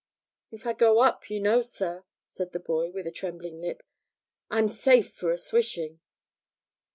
'If I go up, you know, sir,' said the boy, with a trembling lip, 'I'm safe for a swishing.'